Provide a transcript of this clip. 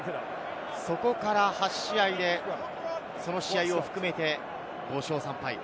そこから８試合でその試合を含めて５勝３敗。